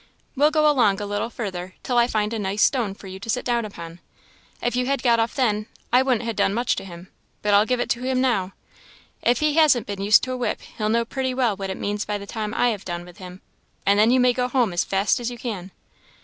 We'll go along a little further till I find a nice stone for you to sit down upon. If you had got off then, I wouldn't ha' done much to him, but I'll give it to him now! If he hasn't been used to a whip he'll know pretty well what it means by the time I have done with him; and then you may go home as fast as you can."